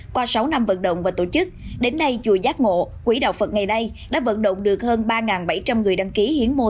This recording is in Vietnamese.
qua sáu năm vận động và tổ chức đến nay chùa giác ngộ đã vận động được hơn ba bảy trăm linh người đăng ký